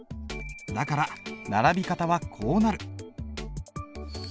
だから並び方はこうなる。